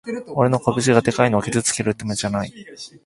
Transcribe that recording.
俺の拳がでかいのは傷つけるためじゃない